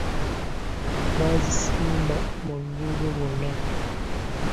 Baazisimba mu luguudo lwonna!